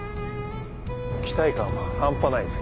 期待感は半端ないです